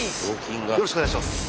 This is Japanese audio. よろしくお願いします。